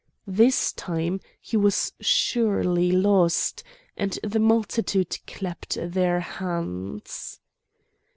This time he was surely lost, and the multitude clapped their hands.